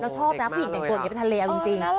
ชอบนะผู้หญิงแต่งตัวอย่างนี้ไปทะเลเอาจริง